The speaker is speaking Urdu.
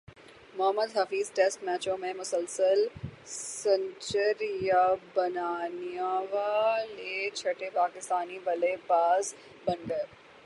محمدحفیظ ٹیسٹ میچوں میں مسلسل سنچریاںبنانیوالے چھٹے پاکستانی بلے باز بن گئے